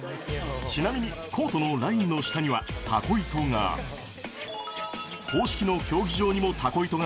ちなみにコートのラインの下には、タコ糸が。